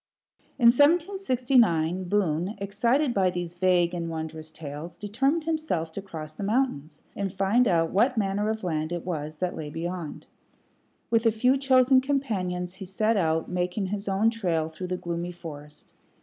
In 1769 Boone, excited by these vague and wondrous tales, determined himself to cross the mountains and find out what manner of land it was that lay beyond. With a few chosen companions he set out, making his own trail through the gloomy forest.